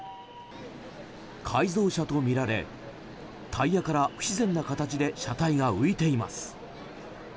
改造車とみられタイヤから不自然な形で車体が浮いています。